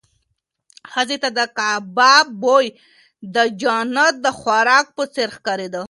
ښځې ته د کباب بوی د جنت د خوراک په څېر ښکارېده.